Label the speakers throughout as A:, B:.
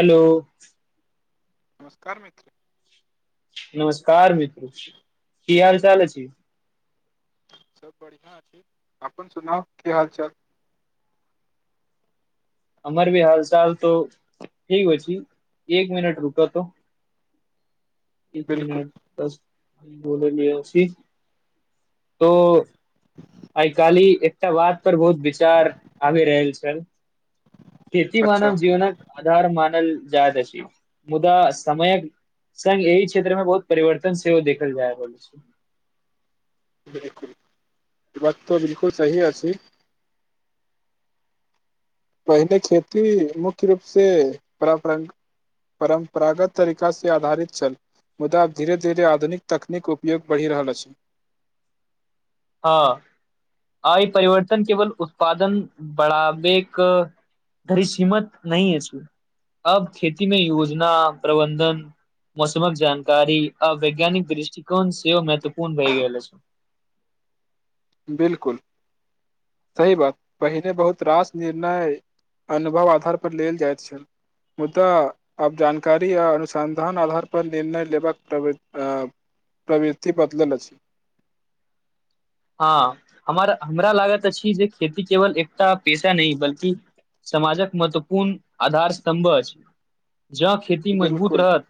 A: Hello
B: नमस्कार मित्र
A: नमस्कार मित्र की हाल चाल अछि?
B: सब बढ़ियां अछि अपन सुनाउ की हाल -चाल?
A: हमर भी हाल चाल तो ठीक हो छी एक मिनट रुकऽ तो। एक
B: बिलकुल
A: मिनट बस बोललिय अछि तो। आय काली एकटा बात पर बहुत विचार आबि रहल छल। खेती
B: अच्छा
A: मानव जीवनक आधार मानल जाइत अछि मुदा समयक- संग एहि क्षेत्र में बहुत परिवर्तन सेहो देखल जायत अछि।
B: बिल्कुल बात तऽ बिल्कुल सही अछि। पहिने खेती मुख्य रूप से परंपरंक- परम्परागत तरीका से आधारित छल। मुदा आब धीरे धीर आधुनिक तकनीक उपयोग बढ़ि रहल अछि।
A: हँ आय परिवर्तन केवल उत्पादन बढ़ावके- घरी सीमित नहि अछि अब खेती मे योजना प्रबंधन- मौसमक जानकारी आ वैज्ञानिक दृष्टिकोण सेहो महत्वपूर्ण भई गेल अछि।
B: बिल्कुल सही बात पहिने बहुत रास निर्णय अनुभव आधार पर लेल जायइत छल। मुदा- आब जानकारी आ अनुसन्धान आधार पर निर्णय लेबाक प्रवि आ- प्रवृति बदलल अछि।
A: हँ हमर हमरा लागत अछि जे खेती केवल एकटा पेशा नहि बल्कि- समाजक महत्वपूर्ण आधारस्तम्भ अछ जऽ। खेती मजबूत
B: बिलकुल
A: रहत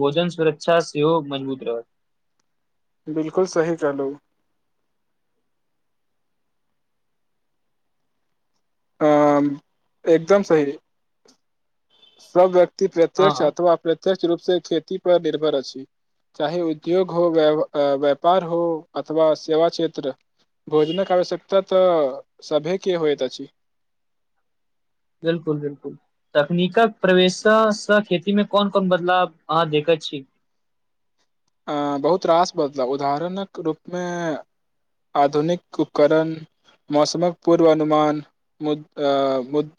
A: भोजन सुरक्षा सेहो मजबूत रहत।
B: बिल्कुल सही कहलू। अँ म एकदम सही। सब व्यक्ति प्रत्यक्ष
A: हँ
B: अथवा अप्रत्यक्ष रूप से खेती पर निर्भर अछि। चाहे उद्योग हो, व्या व्यापार हो अथवा सेवा क्षेत्र। भोजनक आवश्यकता तऽ सभेके होइत अछि।
A: बिल्कुल- बिल्कुल तकनीकक प्रवेश से सँ खेती मे कोन-कोन बदलाव आहाँ देखै छी?
B: अँ बहुत रास बदलाव उदाहरणक रूपमे- आधुनिक उपकरण मौसमक पूर्वानुमान मुद अ मुद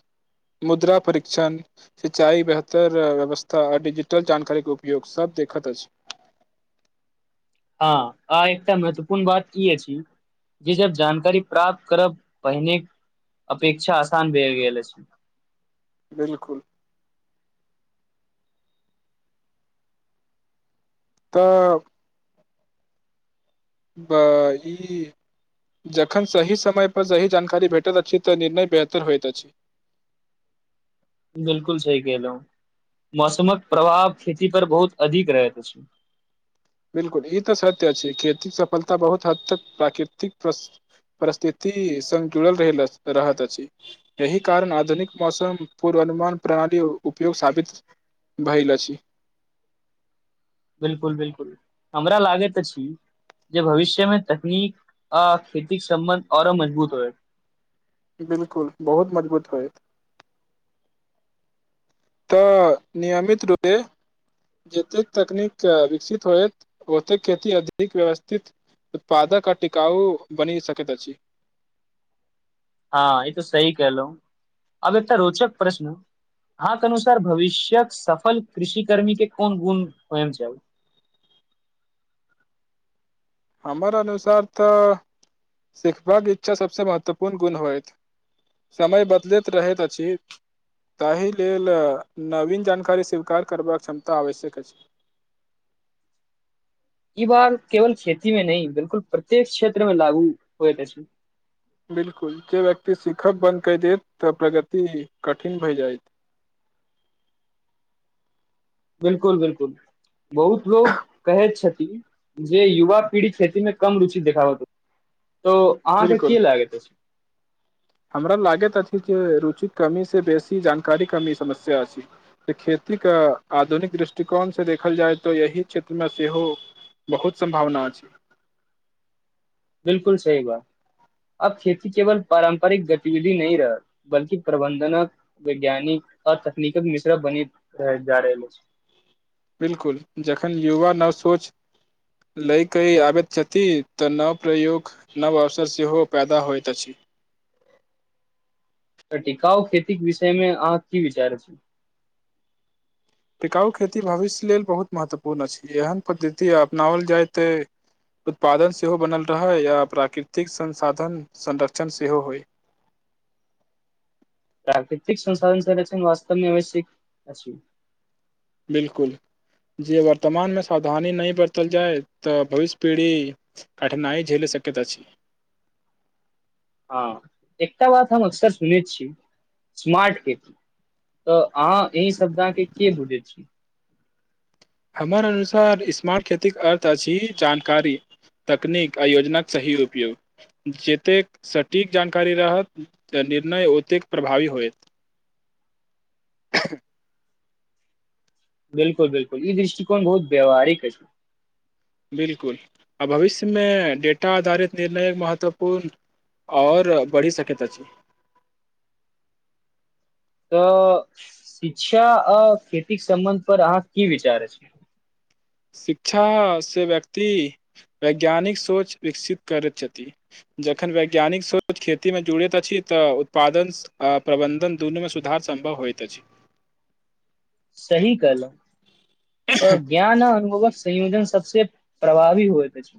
B: मुद्रा परीक्षण सिंचाइ बेहतर व्यवस्था आ डिजिटल जानकारीके उपयोग सब देखैत अछि।
A: हँ आ एकटा महत्वपूर्ण बात ई अछि जी जब जानकारी प्राप्त करब पहिने अपेक्षा आसान भ गेल अछि।
B: बिलकुल। तऽ। ब हि [unintelligible] जखन सही समय पर सही जानकारी भेटैत अछि तऽ निर्णय बेहतर होइत अछि।
A: बिल्कुल सही कहलहुं, मौसमक प्रभाव खेती पर बहुत अधिक रहैत अछि।
B: बिलकुल, ई तऽ सत्य अछि खेतिक सफलता बहुत हद तक प्राकृतिक परि परिस्थिति संग जुड़ल रहेल रहैत अछि। यहि कारण आधुनिक मौसम पूर्वानुमान प्रणाली उपयोगी साबित भैल अछि।
A: बिलकुल बिलकुल, हमरा लागैत अछि जे भविष्य में तकनीक आ खेती के सम्बन्ध औरो मजबूत होएत।
B: बिल्कुल, बहुत मजबूत होयत। तऽ नियमित रूपे जतेक तकनीक विकसित होएत, ओतेक खेती अधिक व्यवस्थित उत्पादक आ टिकाउ बनि सकैत अछि।
A: हँ ई तऽ सही कहलहुॅं, आब एकटा रोचक प्रश्न अहांक अनुसार भविष्य्यक सफल कृषि कर्मी के कोन गुण होयन चाही?
B: हमर अनुसार तऽ सिखबाक इच्छा सबसँ महत्वपूर्ण गुण होयत। समय बदलैत रहैत अछि ताहि लेल नवीन जानकारी स्वीकार करबाक क्षमता आवश्यक अछि।
A: ई बात केवल खेती में नहि, बिलकुल प्रत्येक क्षेत्र में लागू होएत अछि।
B: बिलकुल जे व्यक्ति सिखब बन्द कऽ देत तऽ प्रगति कठिन भय जायत।
A: बिलकुल बिलकुल। बहुत लोग कहैत छथि, जे युवा पीढ़ी खेती मे कम रुचि देखाबैत तऽ अहाँके
B: बिल्कुल
A: की लागैत अछि?
B: हमरा लागैत अछि जे रुचिक कमी से बेसी जानकारीक कमीक समस्या अछि। खेती के आधुनिक दृष्टिकोण से देखल जाय तऽ एही क्षेत्र मे सेहो बहुत सम्भावना अछि।
A: बिलकुल सही बात। आब खेती केवल पारम्परिक गतिविधि नहि रहल, बल्कि प्रबंधनक वैज्ञानिक और तकनीकक मिश्रण बनी रहैत जा रहल अछि।
B: बिलकुल, जखन युवा नव सोच लय के ई आबैत छथि तऽ नव प्रयोग नव अवसर सेहो पैदा होइत अछि।
A: तऽ टिकाउ खेती के विषय मे अहाँक की विचार अछि?
B: टिकाउ खेती भविष्यक लेल बहुत महत्वपूर्ण अछि, एहन पद्धति अपनाओल जाइत तऽ उत्पादन सेहो बनल रहय, आ प्राकृतिक संसाधन संरक्षण सेहो होइत।
A: प्राकृतिक संसाधनक संरक्षण वास्तवमे बेसी अछि।
B: बिलकुल, जे वर्तमानमे सावधानी नहि बरतल जाय तऽ भविष्य पीढ़ी कठिनाई झेलि सकैत अछि।
A: हँ एकटा बात हम अक्सर सुनैत छी, स्मार्ट खेती तऽ अहाँ एहि शब्द के की [unintelligible] बुझय छी।
B: हमर अनुसार स्मार्ट खेतिक अर्थ अछि जानकारी। तकनीक आ योजनाक सही उपयोग, जतेक सटीक जानकारी रहत तऽ निर्णय औतेक प्रभावी होयत।
A: बिल्कुल बिल्कुल ई दृष्टिकोण बहुत व्यवहारिक अछि।
B: बिल्कुल आ भविष्यमे डेटा आधारित निर्णय एक महत्वपूर्ण आओर बढ़ि सकैत अछि।
A: तऽ शिक्षा आ खेतीक सम्बंध पर अहाँक की विचार अछि।
B: शिक्षासँ व्यक्ति वैज्ञानिक सोच विकसित करैत छथि। जखन वैज्ञानिक सोच खेती मे जुड़ैत अछि, तऽ उत्पादन आ प्रबंधन दुनू में सुधार सम्भव होयत अछि।
A: सही कहलहुॅं तऽ ज्ञान आ अनुभवक संयोजन सबसॅं प्रभावी होएत अछि।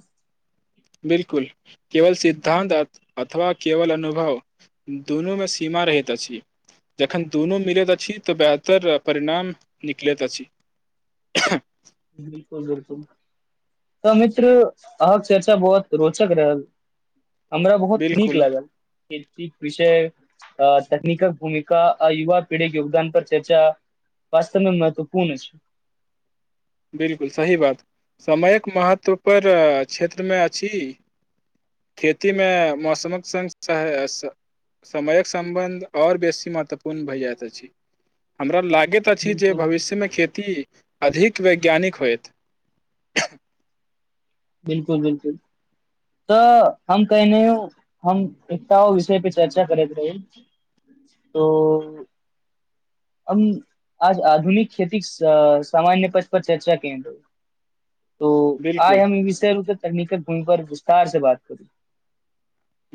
B: बिल्कुल केवल सिद्धान्त अथवा केवल अनुभव दुनूमे सीमा रहैत अछि। जखन दुनू मिलैत अछि, तऽ बेहतर परिणाम निकलैत अछि। ह [inaudible]
A: बिल्कुल बिल्कुल तऽ मित्र अहके चर्चा बहुत रोचक रहल हमरा बहुत नीक
B: बिल्कुल
A: लागल [unintelligible] विषय अ तकनीकल भूमिका आ युवा पीढ़ी योगदान पर चर्चा वास्तवमे महत्वपूर्ण छै।
B: बिलकुल सही बात समयक महत्वपर क्षेत्रमे अछि। खेतीमे मौसमक सन सहस समयक सम्बन्ध आओर बेसी महत्वपूर्ण भए जाइत अछि हमरा लागैत छी जे
A: बिल्कुल
B: भविष्यमे खेती अधिक वैज्ञानिक होत।
A: बिल्कुल बिल्कुल तऽ हम कहियो हम एकटाओ विषय पे चर्चा करैत रहहि। तऽ हम आज आधुनिक खेती सामान्य पद पर चर्चा केने रऽ त आइ
B: बिलकुल
A: हम ई विषयप तकनीकक भूमि पर विस्तार से बात करू।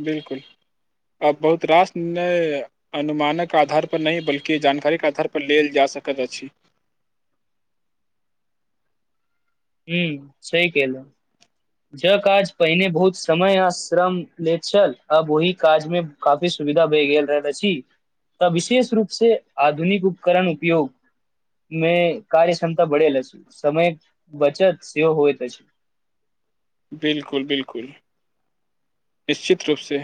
B: बिल्कुल आ बहुत रासणय अनुमानक आधारपर नहि बल्कि जानकारीके आधारपर लेल जा सकैत अछि।
A: ह सही कलहु ज काज पहिने बहुत समय आ श्रम ले छल अब ओहि काज मे काफी सुविधा भए गेल रहै नेची तऽ विशेष रूप से आधुनिक उपकरण उपयोग मे कार्य क्षमता बढ़ेल छी समय बचत सेव होइ त छै।
B: बिल्कुल बिल्कुल निश्चित रूपसँ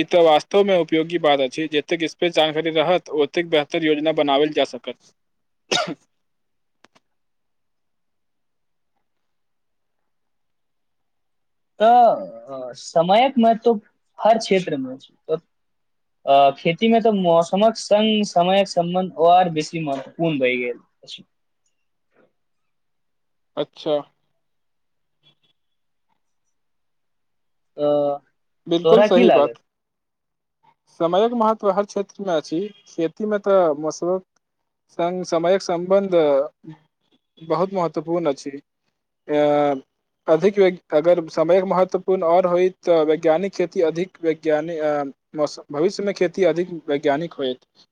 B: ई तऽ वास्तवमे उपयोगी बात अछि जतेक स्पे जानकारी रहत ओतेक बेहतर योजना बनाओल जा सकत।
A: तऽ समायक महत्व हर क्षेत्रमे अछि। अ खेती मे तऽ मौसमक संग समयक सम्बन्ध आऔर बेसी महत्वपूर्ण भय गेल। बस
B: अच्छा
A: तऽ
B: बिल्कुल सही बात। समयक महत्व हर क्षेत्रमे अछी। खेतीमे तऽ मसल संग समयक सम्बन्ध बहुत महत्वपूर्ण अछी। येय अधिक वेक अगर समयक महत्वपूर्ण और होय तऽ व वैज्ञानिक खेती अधिक वैज्ञानि अएं मौसम, भविष्य मे खेती अधिक वैज्ञानिक होयत।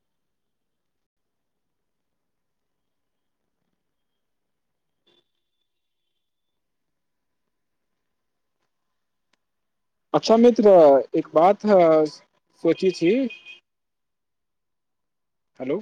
B: अच्छा मित्र, एक बात अ-सोचै छी हेलो